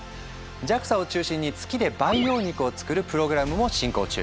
ＪＡＸＡを中心に月で培養肉を作るプログラムも進行中。